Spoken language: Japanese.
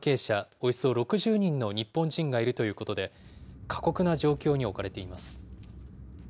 およそ６０人の日本人がいるということで、過酷な状況に置かれています。